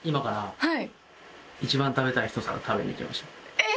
えっ！